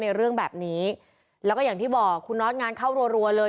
เรื่องแบบนี้แล้วก็อย่างที่บอกคุณน็อตงานเข้ารัวเลย